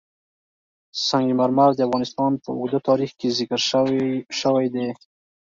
سنگ مرمر د افغانستان په اوږده تاریخ کې ذکر شوی دی.